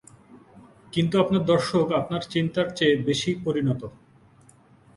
কিন্তু আপনার দর্শক আপনার চিন্তার চেয়ে বেশি পরিণত।